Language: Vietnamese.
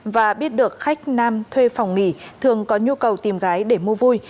và biết được khách nam thuê phòng nghỉ thường có nhu cầu tìm gái để mua vui